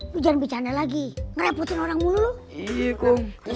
lo jangan bicara lagi ngerepotin orang mulu lo